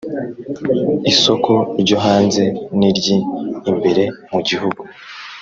isoko ryo hanze niryi imbere mugihugu